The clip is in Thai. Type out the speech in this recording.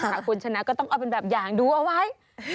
คุณชนะก็ต้องเอาเป็นแบบอย่างดูเอาไว้